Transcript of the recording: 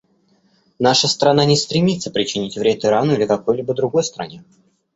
Наша страна не стремится причинить вред Ирану или какой-либо другой стране.